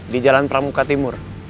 di jalan pramuka timur